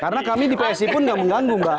karena kami di psi pun nggak mengganggu